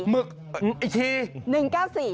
๑๙๔หมึกอีกที